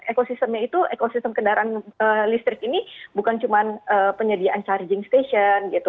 ekosistemnya itu ekosistem kendaraan listrik ini bukan cuma penyediaan charging station gitu